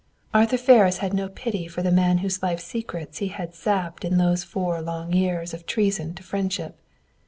Arthur Ferris had no pity for the man whose life secrets he had sapped in those four long years of treason to friendship.